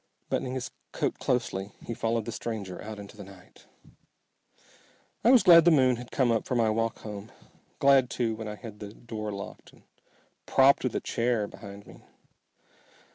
Buttoning his coat closely, he followed the stranger out into the night. I was glad the moon had come up for my walk home, glad too when I had the door locked and propped with a chair behind me.